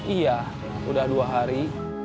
iya udah dua hari